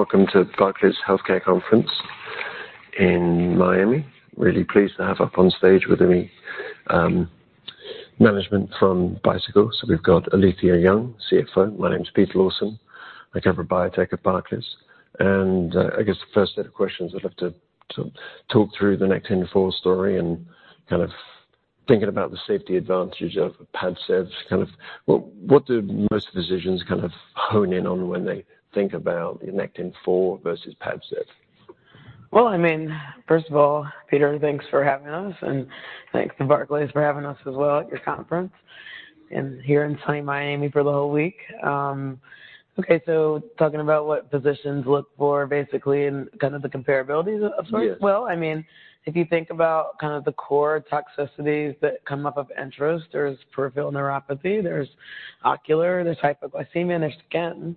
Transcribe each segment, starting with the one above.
Welcome to Barclays Healthcare Conference in Miami. Really pleased to have up on stage with me, management from Bicycle. So we've got Alethia Young, Chief Financial Officer. My name's Peter Lawson. I cover biotech at Barclays. I guess the first set of questions I'd love to talk through the Nectin-4 story and kind of thinking about the safety advantages of PADCEV's, kind of what do most physicians kind of hone in on when they think about Nectin-4 versus PADCEV? Well, I mean, first of all, Peter, thanks for having us. Thanks to Barclays for having us as well at your conference and here in sunny Miami for the whole week. Okay, so talking about what physicians look for, basically, and kind of the comparabilities of sorts? Yeah. Well, I mean, if you think about kind of the core toxicities that come up of Enfortumab, there's peripheral neuropathy, there's ocular, there's hypoglycemia, and there's skin.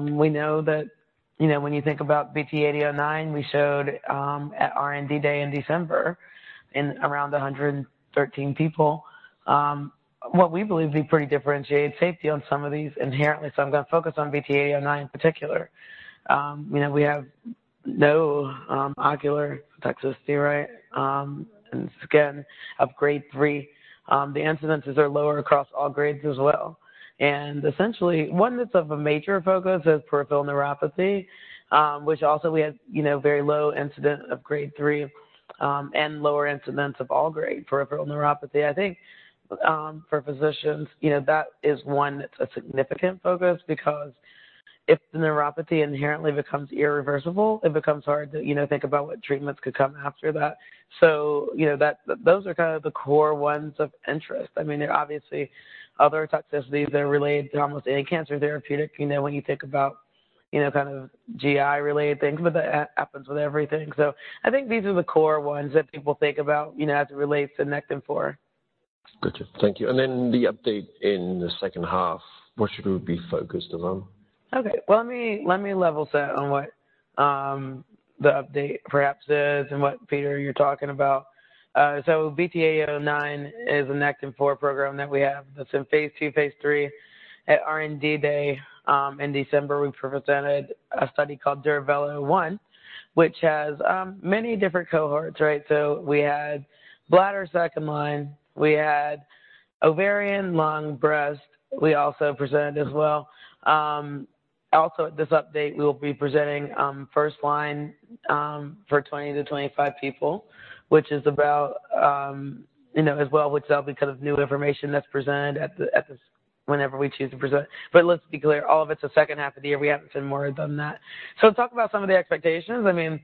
We know that, you know, when you think about BT8009, we showed, at R&D Day in December in around 113 people, what we believe to be pretty differentiated safety on some of these inherently. So I'm gonna focus on BT8009 in particular. You know, we have no ocular toxicity, right, and skin of grade three. The incidences are lower across all grades as well. Essentially, one that's of a major focus is peripheral neuropathy, which also we had, you know, very low incidence of grade three, and lower incidence of all-grade peripheral neuropathy. I think, for physicians, you know, that is one that's a significant focus because if the neuropathy inherently becomes irreversible, it becomes hard to, you know, think about what treatments could come after that. So, you know, that those are kind of the core ones of interest. I mean, there are obviously other toxicities that are related to almost any cancer therapeutic, you know, when you think about, you know, kind of GI-related things. But that happens with everything. So I think these are the core ones that people think about, you know, as it relates to Nectin-4. Gotcha. Thank you. And then the update in the second half, what should we be focused around? Okay. Well, let me level set on what the update perhaps is and what, Peter, you're talking about. So BT8009 is a Nectin-4 program that we have that's in phase II, phase III. At R&D Day in December, we presented a study called Duravelo-1, which has many different cohorts, right? So we had bladder second line. We had ovarian, lung, breast. We also presented as well. Also at this update, we will be presenting first line for 20 to 25 people, which is about, you know, as well, which that'll be kind of new information that's presented at this whenever we choose to present. But let's be clear, all of it's the second half of the year. We haven't seen more than that. So talk about some of the expectations. I mean,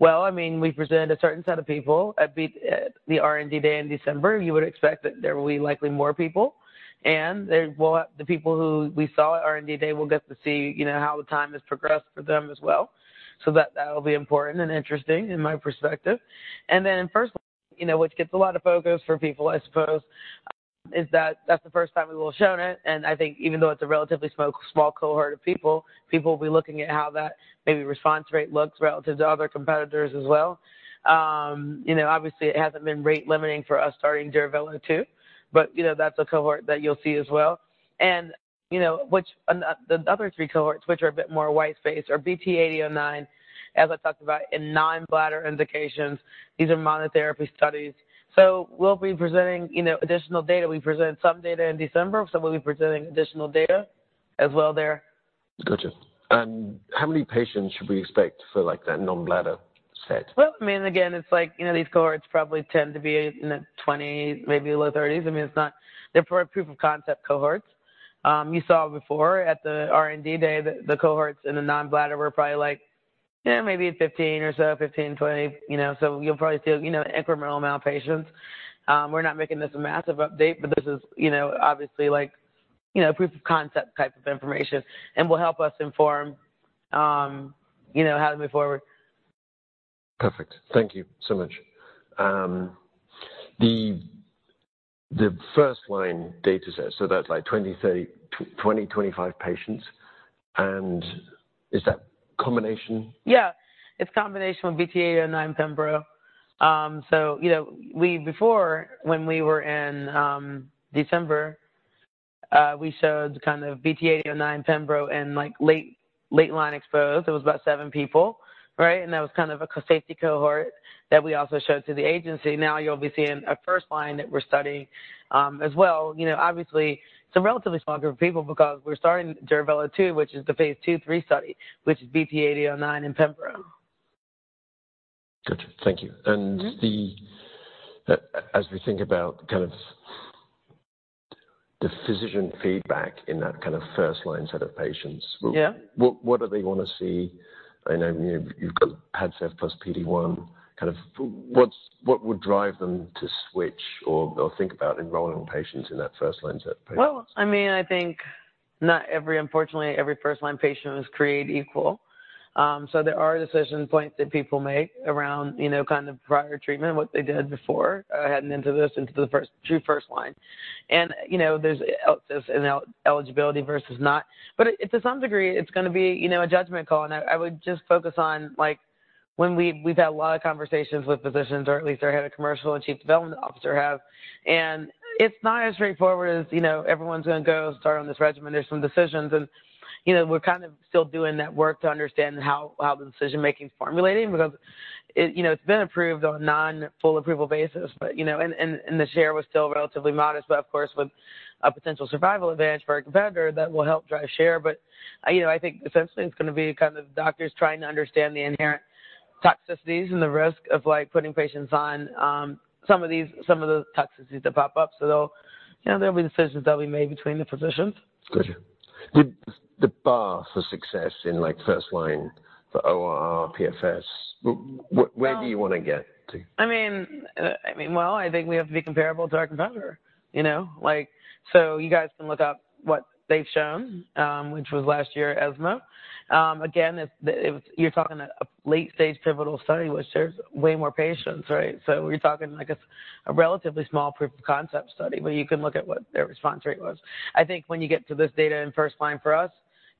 well, I mean, we presented a certain set of people at B at the R&D Day in December. You would expect that there will be likely more people. And there will the people who we saw at R&D Day will get to see, you know, how the time has progressed for them as well. So that, that'll be important and interesting in my perspective. And then in first line, you know, which gets a lot of focus for people, I suppose, is that that's the first time we've all shown it. And I think even though it's a relatively small cohort of people, people will be looking at how that maybe response rate looks relative to other competitors as well, you know. Obviously, it hasn't been rate limiting for us starting Duravelo-2. But, you know, that's a cohort that you'll see as well. You know, which and the other three cohorts, which are a bit more white space, are BT8009, as I talked about, in non-bladder indications. These are monotherapy studies. We'll be presenting, you know, additional data. We present some data in December. We'll be presenting additional data as well there. Gotcha. How many patients should we expect for, like, that non-bladder set? Well, I mean, again, it's like, you know, these cohorts probably tend to be in the 20s, maybe low 30s. I mean, it's not, they're for proof of concept cohorts. You saw before at the R&D Day that the cohorts in the non-bladder were probably like, yeah, maybe 15 or so, 15, 20, you know. So you'll probably see, you know, incremental amount of patients. We're not making this a massive update, but this is, you know, obviously, like, you know, proof of concept type of information and will help us inform, you know, how to move forward. Perfect. Thank you so much. The first line data set, so that's like 20, 30, 20, 25 patients. And is that combination? Yeah. It's combination with BT8009 Pembro. So, you know, we before, when we were in, December, we showed kind of BT8009 Pembro in, like, late, late line exposed. It was about seven people, right? And that was kind of a safety cohort that we also showed to the agency. Now you'll be seeing a first line that we're studying, as well. You know, obviously, it's a relatively small group of people because we're starting Duravelo-2, which is the phase II to III study, which is BT8009 and Pembro. Gotcha. Thank you. And as we think about kind of the physician feedback in that kind of first line set of patients, what do they wanna see? I know, you know, you've got PADCEV plus PD-1. Kind of what would drive them to switch or, or think about enrolling patients in that first line set of patients? Well, I mean, I think not every—unfortunately, every first line patient was created equal. So there are decision points that people make around, you know, kind of prior treatment, what they did before, heading into this, into the first true first line. And, you know, there's eligibility versus not. But to some degree, it's gonna be, you know, a judgment call. And I would just focus on, like, when we've had a lot of conversations with physicians, or at least our head of commercial and chief development officer have. And it's not as straightforward as, you know, everyone's gonna go start on this regimen. There's some decisions. And, you know, we're kind of still doing that work to understand how the decision-making's formulating because it, you know, it's been approved on non-full approval basis. But, you know, the share was still relatively modest. But of course, with a potential survival advantage for a competitor, that will help drive share. But, you know, I think essentially, it's gonna be kind of doctors trying to understand the inherent toxicities and the risk of, like, putting patients on some of these toxicities that pop up. So they'll, you know, there'll be decisions that'll be made between the physicians. Gotcha. Did the bar for success in, like, first line for ORR, PFS, where do you wanna get to? I mean, well, I think we have to be comparable to our competitor, you know? Like, so you guys can look up what they've shown, which was last year at ESMO. Again, it was a late-stage pivotal study, which had way more patients, right? So we're talking, like, as a relatively small proof of concept study where you can look at what their response rate was. I think when you get to this data in first line for us,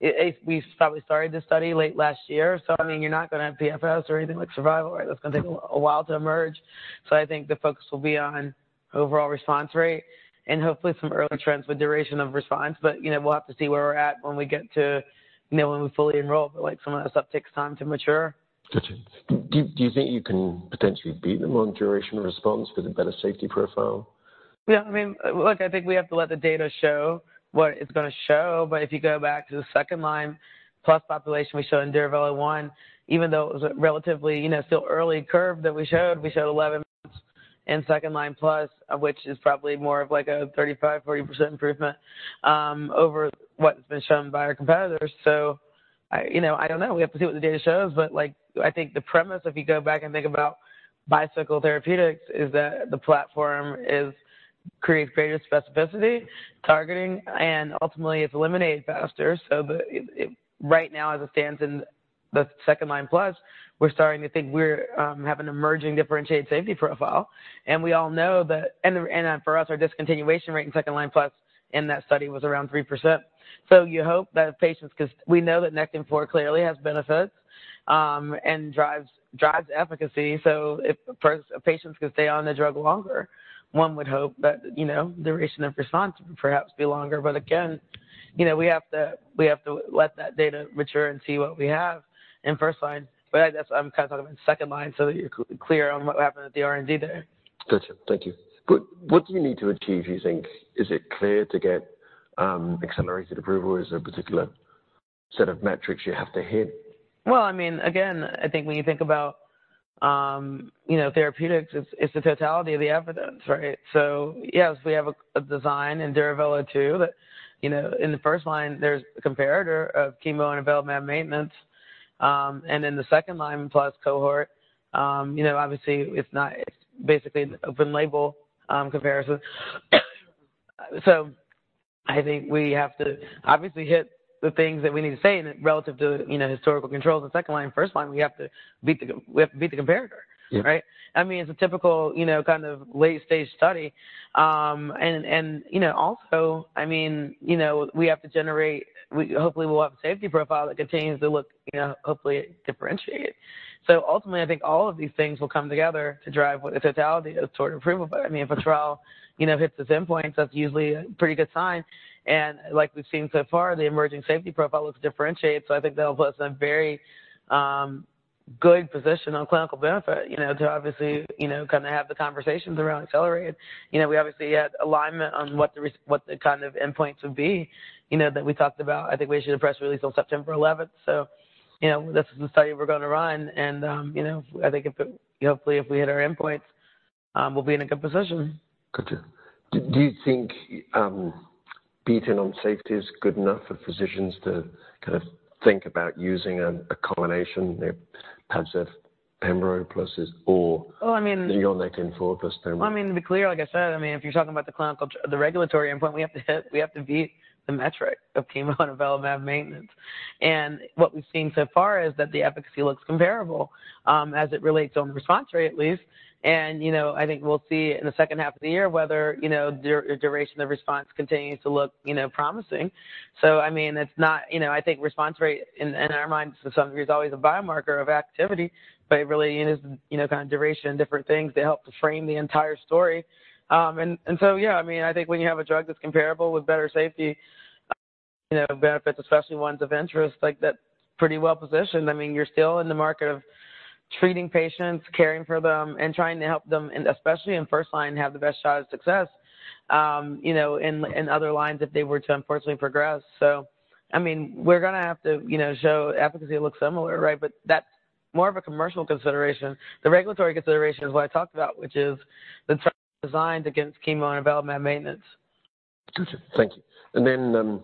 it we probably started this study late last year. So, I mean, you're not gonna have PFS or anything like survival, right? That's gonna take a little while to emerge. So I think the focus will be on overall response rate and hopefully some early trends with duration of response. But, you know, we'll have to see where we're at when we get to, you know, when we fully enroll. But, like, some of this stuff takes time to mature. Gotcha. Do you think you can potentially beat them on duration of response with a better safety profile? Yeah. I mean, look, I think we have to let the data show what it's gonna show. But if you go back to the second line plus population, we showed in Duravelo One, even though it was a relatively, you know, still early curve that we showed, we showed 11 months in second line plus, which is probably more of, like, a 35% to 40% improvement over what's been shown by our competitors. So I, you know, I don't know. We have to see what the data shows. But, like, I think the premise, if you go back and think about Bicycle Therapeutics, is that the platform is creates greater specificity targeting, and ultimately, it's eliminated faster. So it right now, as it stands in the second line plus, we're starting to think we're, have an emerging differentiated safety profile. And we all know that for us, our discontinuation rate in second line plus in that study was around 3%. So you hope that patients 'cause we know that Nectin-4 clearly has benefits, and drives efficacy. So if a patient's gonna stay on the drug longer, one would hope that, you know, duration of response would perhaps be longer. But again, you know, we have to let that data mature and see what we have in first line. But I guess I'm kinda talking about second line so that you're clear on what happened at the R&D there. Gotcha. Thank you. What, what do you need to achieve, do you think? Is it clear to get, accelerated approval, or is there a particular set of metrics you have to hit? Well, I mean, again, I think when you think about, you know, therapeutics, it's the totality of the evidence, right? So yes, we have a design in Duravelo-2 that, you know, in the first line, there's a comparator of chemo and pembro maintenance, and in the second line plus cohort, you know, obviously it's basically an open-label comparison. So I think we have to obviously hit the things that we need to say relative to, you know, historical controls in second line. First line, we have to beat the comparator, right? Yeah. I mean, it's a typical, you know, kind of late-stage study. You know, also, I mean, you know, we'll hopefully have a safety profile that continues to look, you know, hopefully, differentiated. So ultimately, I think all of these things will come together to drive the totality toward approval. But I mean, if a trial, you know, hits the endpoints, that's usually a pretty good sign. And like we've seen so far, the emerging safety profile looks differentiated. So I think that'll put us in a very good position on clinical benefit, you know, to obviously, you know, kinda have the conversations around accelerated. You know, we obviously had alignment on what the regulatory endpoints would be, you know, that we talked about. I think we issued a press release on September 11th. You know, this is the study we're gonna run. You know, I think if we hit our endpoints, we'll be in a good position. Gotcha. Do you think, beating on safety is good enough for physicians to kind of think about using a, a combination, you know, PADCEV, Pembro plus or? Well, I mean. Your Nectin-4 plus Pembro? Well, I mean, to be clear, like I said, I mean, if you're talking about the clinical, the regulatory endpoint, we have to hit we have to beat the metric of chemo and avelumab maintenance. And what we've seen so far is that the efficacy looks comparable, as it relates on response rate, at least. And, you know, I think we'll see in the second half of the year whether, you know, duration of response continues to look, you know, promising. So, I mean, it's not you know, I think response rate in, in our minds, to some degree, is always a biomarker of activity. But it really, you know, is, you know, kind of duration and different things that help to frame the entire story. And so, yeah, I mean, I think when you have a drug that's comparable with better safety, you know, benefits, especially ones of interest, like, that's pretty well positioned. I mean, you're still in the market of treating patients, caring for them, and trying to help them, and especially in first line, have the best shot of success, you know, in other lines if they were to unfortunately progress. So, I mean, we're gonna have to, you know, show efficacy looks similar, right? But that's more of a commercial consideration. The regulatory consideration is what I talked about, which is the trial designed against chemo and avelumab maintenance. Gotcha. Thank you.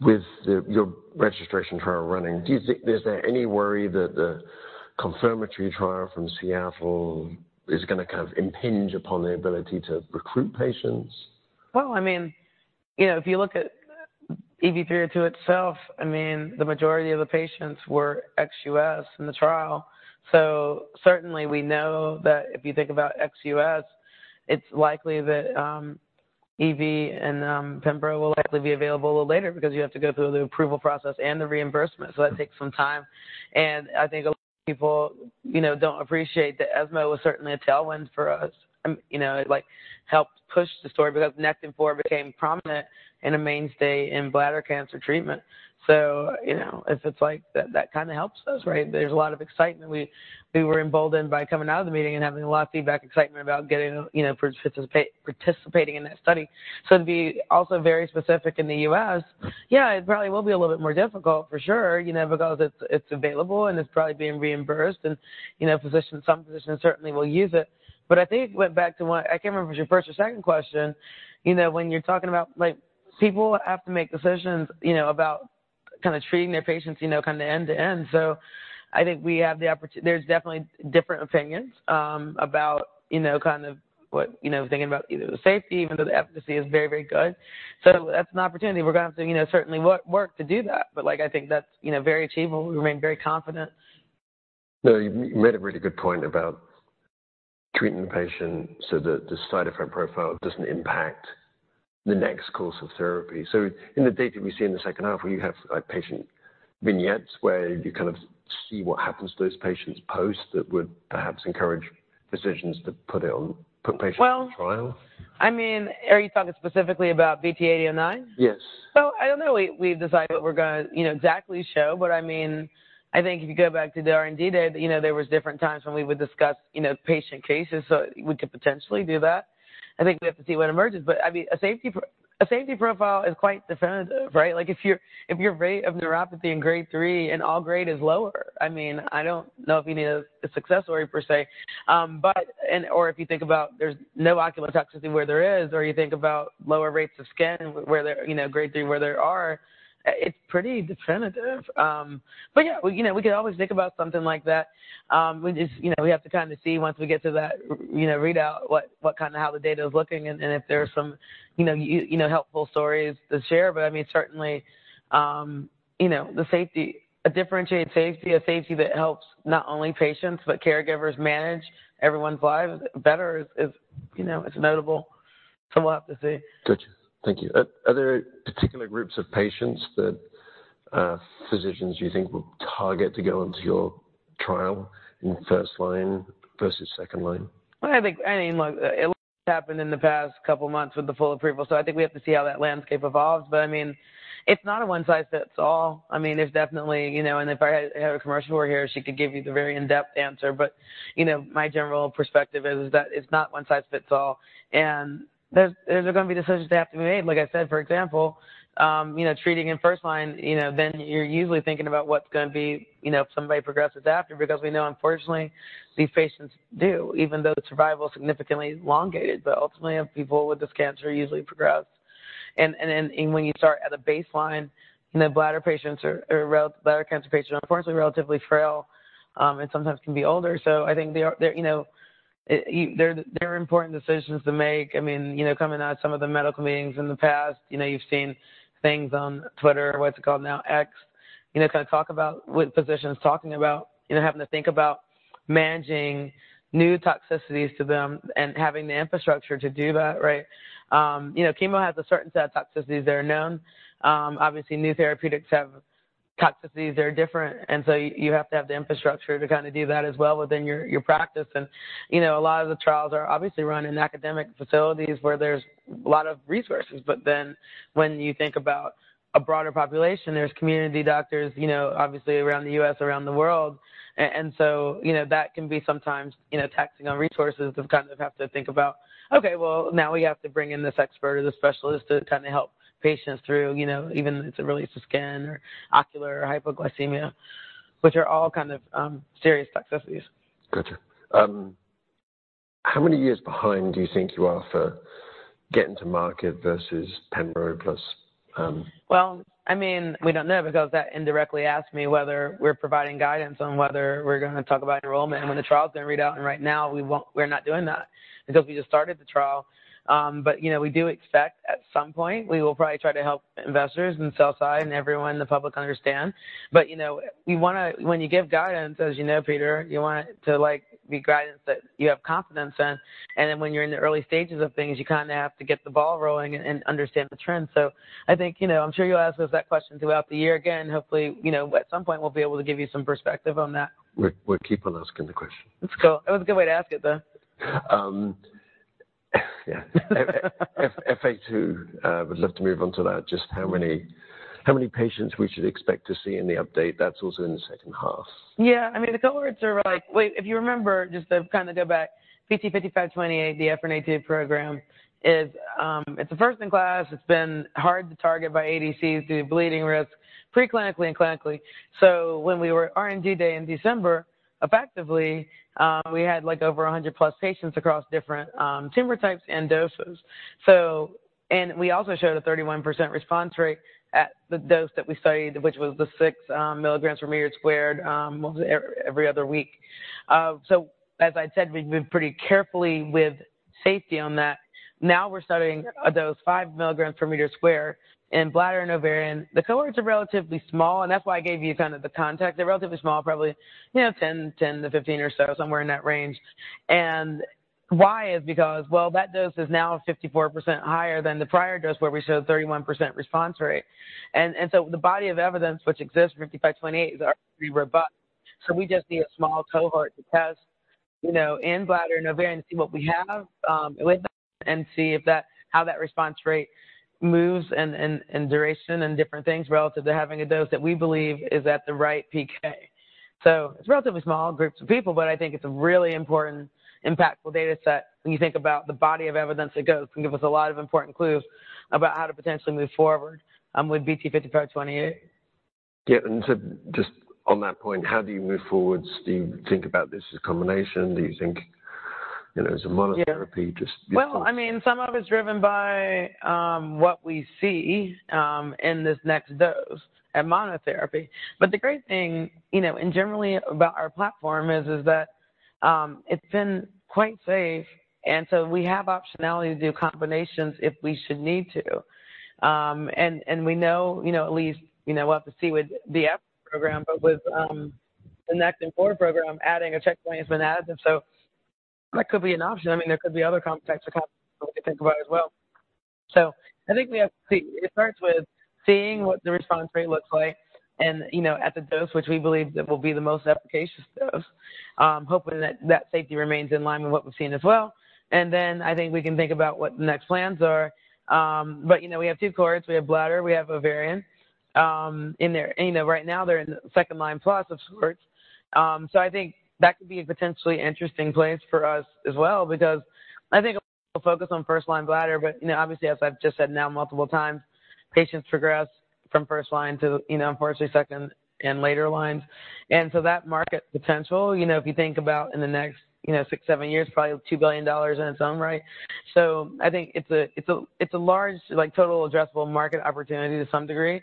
Then, with your registrational trial running, do you think is there any worry that the confirmatory trial from Seattle is gonna kind of impinge upon the ability to recruit patients? Well, I mean, you know, if you look at EV-302 itself, I mean, the majority of the patients were ex-US in the trial. So certainly, we know that if you think about ex-US, it's likely that, EV and, Pembro will likely be available a little later because you have to go through the approval process and the reimbursement. So that takes some time. And I think a lot of people, you know, don't appreciate that ESMO was certainly a tailwind for us. I mean, you know, it, like, helped push the story because Nectin-4 became prominent and a mainstay in bladder cancer treatment. So, you know, if it's like that, that kinda helps us, right? There's a lot of excitement. We were emboldened by coming out of the meeting and having a lot of feedback excitement about getting, you know, participating in that study. So to be also very specific in the U.S., yeah, it probably will be a little bit more difficult for sure, you know, because it's, it's available, and it's probably being reimbursed. And, you know, physicians, some physicians certainly will use it. But I think it went back to what I can't remember if it was your first or second question. You know, when you're talking about, like, people have to make decisions, you know, about kinda treating their patients, you know, kinda end to end. So I think we have the opportunity; there's definitely different opinions, about, you know, kind of what, you know, thinking about either the safety, even though the efficacy is very, very good. So that's an opportunity. We're gonna have to, you know, certainly work to do that. But, like, I think that's, you know, very achievable. We remain very confident. No, you made a really good point about treating the patient so that the side effect profile doesn't impact the next course of therapy. So in the data we see in the second half, where you have, like, patient vignettes where you kind of see what happens to those patients post, that would perhaps encourage physicians to put patients on trial? Well, I mean, are you talking specifically about BT8009? Yes. Well, I don't know. We've decided what we're gonna, you know, exactly show. But I mean, I think if you go back to the R&D data, you know, there was different times when we would discuss, you know, patient cases. So we could potentially do that. I think we have to see what emerges. But I mean, a safety profile is quite definitive, right? Like, if your rate of neuropathy in grade three and all grade is lower. I mean, I don't know if you need a success story per se. But and or if you think about there's no ocular toxicity where there is, or you think about lower rates of skin where there you know, grade three where there are, it's pretty definitive. But yeah, we, you know, we could always think about something like that. We just, you know, we have to kinda see once we get to that readout what, what kinda how the data's looking and if there's some, you know, you know, helpful stories to share. But I mean, certainly, you know, the safety, a differentiated safety, a safety that helps not only patients but caregivers manage everyone's lives better is, you know, it's notable. So we'll have to see. Gotcha. Thank you. Are there particular groups of patients that physicians you think will target to go into your trial in first line versus second line? Well, I think—I mean, look—it's happened in the past couple months with the full approval. So I think we have to see how that landscape evolves. But I mean, it's not a one-size-fits-all. I mean, there's definitely, you know, and if I had a commercial over here, she could give you the very in-depth answer. But, you know, my general perspective is that it's not one-size-fits-all. And there's gonna be decisions that have to be made. Like I said, for example, you know, treating in first line, you know, then you're usually thinking about what's gonna be, you know, if somebody progresses after. Because we know, unfortunately, these patients do, even though the survival's significantly elongated. But ultimately, people with this cancer usually progress. When you start at a baseline, you know, bladder patients are relapsed bladder cancer patients are unfortunately relatively frail, and sometimes can be older. So I think they're, you know, important decisions to make. I mean, you know, coming out of some of the medical meetings in the past, you know, you've seen things on Twitter or what's it called now, X, you know, kinda talk about with physicians talking about, you know, having to think about managing new toxicities to them and having the infrastructure to do that, right? You know, chemo has a certain set of toxicities that are known. Obviously, new therapeutics have toxicities that are different. And so you have to have the infrastructure to kinda do that as well within your practice. You know, a lot of the trials are obviously run in academic facilities where there's a lot of resources. But then when you think about a broader population, there's community doctors, you know, obviously, around the US, around the world. And so, you know, that can be sometimes, you know, taxing on resources to kind of have to think about, "Okay. Well, now we have to bring in this expert or this specialist to kinda help patients through, you know, even if it's a release of skin or ocular or hypoglycemia," which are all kind of, serious toxicities. Gotcha. How many years behind do you think you are for getting to market versus Pembro plus? Well, I mean, we don't know because that indirectly asked me whether we're providing guidance on whether we're gonna talk about enrollment when the trial's gonna read out. And right now, we won't; we're not doing that because we just started the trial. But, you know, we do expect at some point, we will probably try to help investors and sell-side and everyone, the public, understand. But, you know, we wanna when you give guidance, as you know, Peter, you want it to, like, be guidance that you have confidence in. And then when you're in the early stages of things, you kinda have to get the ball rolling and understand the trends. So I think, you know, I'm sure you'll ask us that question throughout the year again. Hopefully, you know, at some point, we'll be able to give you some perspective on that. We're keep on asking the question. That's cool. It was a good way to ask it, though. Yeah. EphA2, would love to move onto that. Just how many patients we should expect to see in the update, that's also in the second half. Yeah. I mean, the cohorts are like, wait. If you remember, just to kinda go back, BT5528, the EphA2 program, is, it's a first-in-class. It's been hard to target by ADCs due to bleeding risk preclinically and clinically. So when we were R&D day in December, effectively, we had, like, over 100+ patients across different tumor types and doses. So and we also showed a 31% response rate at the dose that we studied, which was the six mg per meter squared, once every other week. So as I'd said, we've been pretty careful with safety on that. Now we're studying a dose of five mg per meter squared in bladder and ovarian. The cohorts are relatively small. And that's why I gave you kinda the context. They're relatively small, probably, you know, 10 to 15 or so, somewhere in that range. And why is because, well, that dose is now 54% higher than the prior dose where we showed a 31% response rate. And, and so the body of evidence which exists for BT5528 is already robust. So we just need a small cohort to test, you know, in bladder and ovarian to see what we have, with that and see if that how that response rate moves in, in, in duration and different things relative to having a dose that we believe is at the right PK. So it's relatively small groups of people. But I think it's a really important, impactful data set when you think about the body of evidence that goes. It can give us a lot of important clues about how to potentially move forward, with BT5528. Yeah. And so just on that point, how do you move forward? Do you think about this as a combination? Do you think, you know, as a monotherapy? Just, just. Well, I mean, some of it's driven by what we see in this next dose at monotherapy. But the great thing, you know, and generally about our platform is that it's been quite safe. And so we have optionality to do combinations if we should need to. And we know, you know, at least, you know, we'll have to see with the EphA2 program. But with the Nectin-4 program, adding a checkpoint has been additive. So that could be an option. I mean, there could be other combo types of combinations that we could think about as well. So I think we have to see. It starts with seeing what the response rate looks like and, you know, at the dose, which we believe that will be the most efficacious dose, hoping that that safety remains in line with what we've seen as well. Then I think we can think about what the next plans are. But, you know, we have two cohorts. We have bladder. We have ovarian. In there, you know, right now, they're in second line plus of sorts. So I think that could be a potentially interesting place for us as well because I think we'll focus on first-line bladder. But, you know, obviously, as I've just said now multiple times, patients progress from first line to, you know, unfortunately, second and later lines. And so that market potential, you know, if you think about in the next, you know, six, seven years, probably $2 billion in its own right. So I think it's a large, like, total addressable market opportunity to some degree.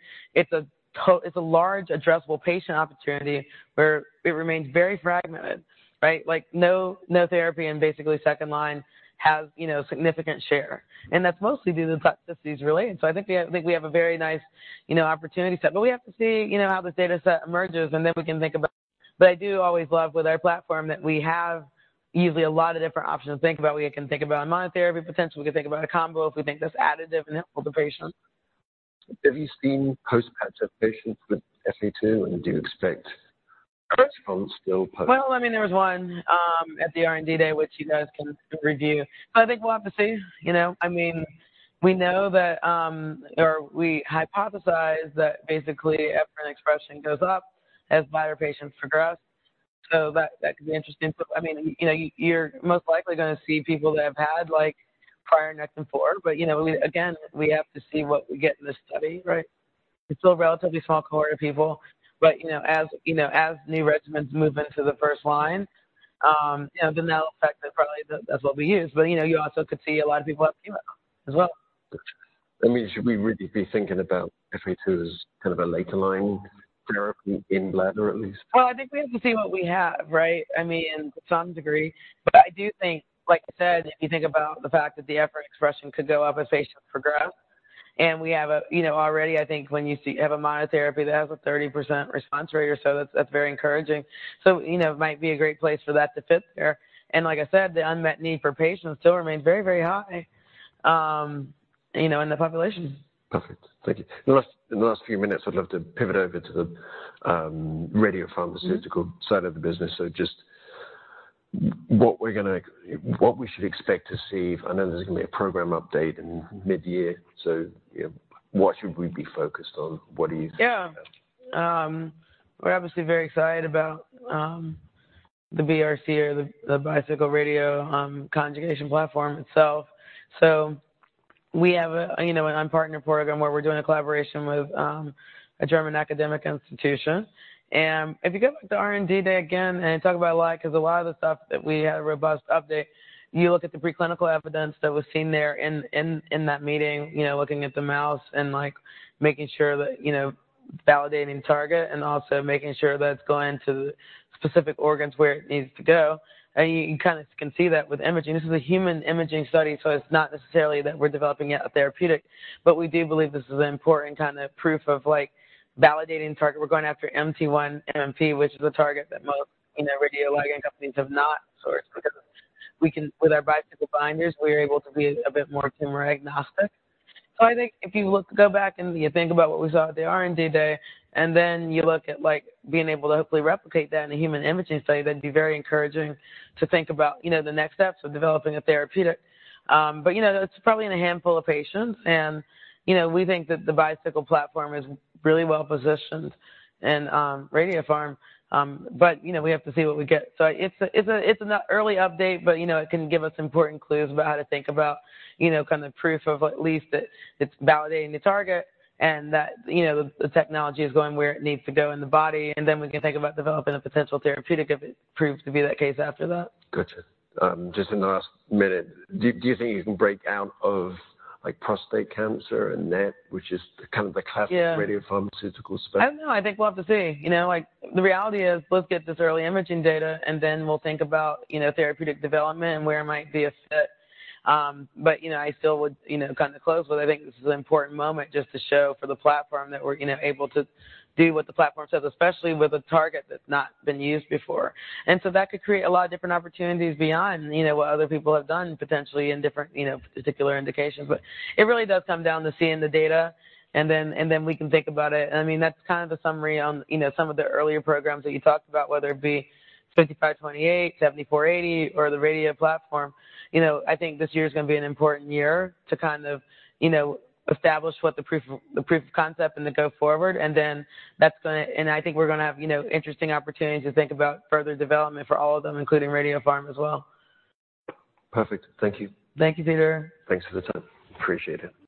It's a large addressable patient opportunity where it remains very fragmented, right? Like, no, no therapy in basically second line has, you know, a significant share. And that's mostly due to the toxicities related. So I think we have a very nice, you know, opportunity set. But we have to see, you know, how this data set emerges. And then we can think about, but I do always love with our platform that we have usually a lot of different options to think about. We can think about monotherapy potentially. We can think about a combo if we think that's additive and helpful to patients. Have you seen postpartum patients with EphA2? Do you expect response still post? Well, I mean, there was one, at the R&D day which you guys can review. But I think we'll have to see, you know. I mean, we know that, or we hypothesize that basically, EphA2 expression goes up as bladder patients progress. So that, that could be interesting. So I mean, you know, you're most likely gonna see people that have had, like, prior Nectin-4. But, you know, we again, we have to see what we get in this study, right? It's still a relatively small cohort of people. But, you know, as, you know, as new regimens move into the first line, you know, then that'll affect it probably. That's what we use. But, you know, you also could see a lot of people have chemo as well. I mean, should we really be thinking about EphA2 as kind of a later-line therapy in bladder at least? Well, I think we have to see what we have, right? I mean, to some degree. But I do think, like I said, if you think about the fact that the EphA2 expression could go up as patients progress and we have a you know, already, I think when you see have a monotherapy that has a 30% response rate or so, that's, that's very encouraging. So, you know, it might be a great place for that to fit there. And like I said, the unmet need for patients still remains very, very high, you know, in the population. Perfect. Thank you. In the last few minutes, I'd love to pivot over to the radiopharmaceutical side of the business. So just what we should expect to see. I know there's gonna be a program update in mid-year. So, you know, what should we be focused on? What do you think about that? Yeah. We're obviously very excited about the BRC or the Bicycle Radio Conjugate platform itself. So we have, you know, an unpartnered program where we're doing a collaboration with a German academic institution. And if you go back to R&D Day again and talk about the lab because a lot of the stuff that we had a robust update, you look at the preclinical evidence that was seen there in that meeting, you know, looking at the mouse and, like, making sure that you know, validating target and also making sure that it's going to the specific organs where it needs to go. And you kinda can see that with imaging. This is a human imaging study. So it's not necessarily that we're developing yet a therapeutic. But we do believe this is an important kinda proof of, like, validating target. We're going after MT1-MMP, which is a target that most, you know, radiopharma companies have not sourced because we can with our Bicycle binders, we are able to be a bit more tumor agnostic. So I think if you look back and you think about what we saw at the R&D day and then you look at, like, being able to hopefully replicate that in a human imaging study, that'd be very encouraging to think about, you know, the next steps of developing a therapeutic. But, you know, it's probably in a handful of patients. And, you know, we think that the Bicycle platform is really well-positioned in radiopharm. But, you know, we have to see what we get. So it's an early update. But, you know, it can give us important clues about how to think about, you know, kinda proof of at least that it's validating the target and that, you know, the technology is going where it needs to go in the body. And then we can think about developing a potential therapeutic if it proves to be that case after that. Gotcha. Just in the last minute, do you think you can break out of, like, prostate cancer and NET, which is kind of the classic? Yeah. Radio-pharmaceutical spec? I don't know. I think we'll have to see. You know, like, the reality is, let's get this early imaging data. And then we'll think about, you know, therapeutic development and where it might be a fit. But, you know, I still would, you know, kinda close with I think this is an important moment just to show for the platform that we're, you know, able to do what the platform says, especially with a target that's not been used before. And so that could create a lot of different opportunities beyond, you know, what other people have done potentially in different, you know, particular indications. But it really does come down to seeing the data. And then and then we can think about it. And I mean, that's kind of a summary on, you know, some of the earlier programs that you talked about, whether it be 5528, 7480, or the radio platform. You know, I think this year's gonna be an important year to kind of, you know, establish what the proof of the proof of concept and the go-forward. And then that's gonna, and I think we're gonna have, you know, interesting opportunities to think about further development for all of them, including radiopharm as well. Perfect. Thank you. Thank you, Peter. Thanks for the time. Appreciate it.